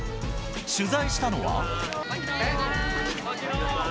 取材したのは。